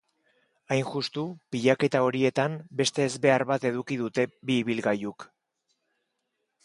Hain justu, pilaketa horietan beste ezbehar bat eduki dute bi ibilgailuk.